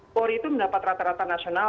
polri itu mendapat rata rata nasional